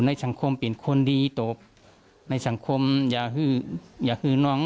ในสังคมเปลี่ยนคนดีตบในสังคมอย่าฮืออย่าฮือน้อง